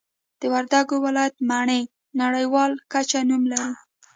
د وردګو ولایت مڼې نړیوال کچه نوم لري